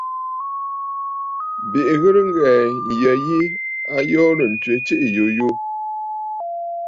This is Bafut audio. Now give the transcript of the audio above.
Bìʼì ghɨ̀rə ŋghɛ̀ɛ̀ ǹyə yi, a yoorə̀ ǹtswe tsiiʼì yùyù.